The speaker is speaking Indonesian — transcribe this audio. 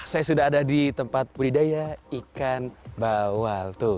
saya sudah ada di tempat budidaya ikan bawal tuh